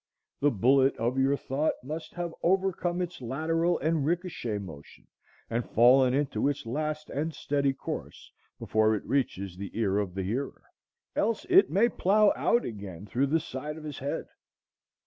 The bullet of your thought must have overcome its lateral and ricochet motion and fallen into its last and steady course before it reaches the ear of the hearer, else it may plough out again through the side of his head.